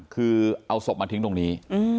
คือเอาศพมาทิ้งตรงนี้